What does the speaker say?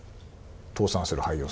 倒産する廃業する。